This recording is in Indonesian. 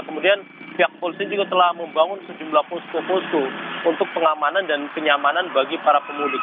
jeluh alternatif ini juga telah membangun sejumlah pusku pusku untuk pengamanan dan kenyamanan bagi para pemudik